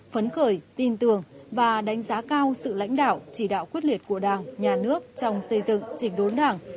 phấn khởi tin tưởng và đánh giá cao sự lãnh đạo chỉ đạo quyết liệt của đảng nhà nước trong xây dựng chỉnh đốn đảng